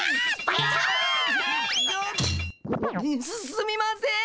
すすみません！